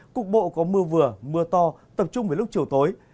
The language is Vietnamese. cục bộ có mưa vừa mưa to tập trung về lúc chiều tối